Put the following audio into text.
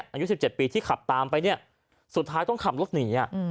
อายุ๑๗ปีที่ขับตามไปเนี่ยสุดท้ายต้องขับรถหนี